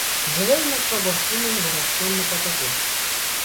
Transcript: Ջրերն օգտագործվում են ոռոգման նպատակով։